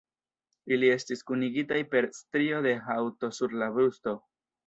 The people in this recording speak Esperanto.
Ili estis kunigitaj per strio de haŭto sur la brusto.